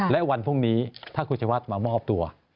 และวันพรุ่งนี้ถ้าคุณศัตริย์วัฒน์มามอบตัว